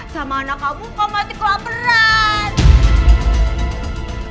sama anak kamu kau masih kelaperan